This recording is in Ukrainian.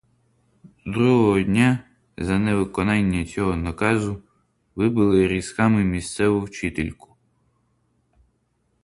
Другого дня, за невиконання цього наказу, вибили різками місцеву вчительку.